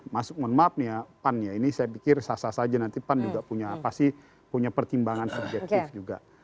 maaf pan ini saya pikir sasa saja nanti pan juga pasti punya pertimbangan subjektif juga